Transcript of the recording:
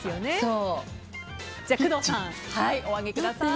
工藤さん、お上げください。